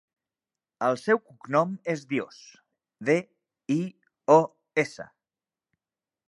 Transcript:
El seu cognom és Dios: de, i, o, essa.